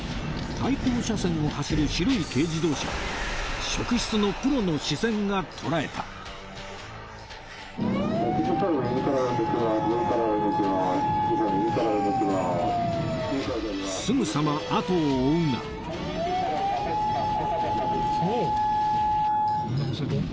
対向車線を走る白い軽自動車を職質のプロの視線が捉えたすぐさまあとを追うが緊急車両左折します